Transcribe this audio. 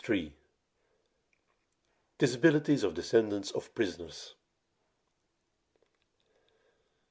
Disabilities of Descendants of Prisoners.